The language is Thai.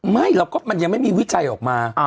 ไม่มันยังไม่มีวิจัยออกมา